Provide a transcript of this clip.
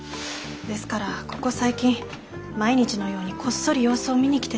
ですからここ最近毎日のようにこっそり様子を見に来てて。